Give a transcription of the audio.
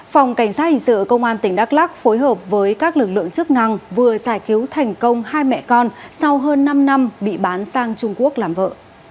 phòng cảnh sát hình sự công an tỉnh đắk lắc phối hợp với các lực lượng chức năng vừa giải cứu thành công hai mẹ con sau hơn năm năm bị bán sang trung quốc làm vợ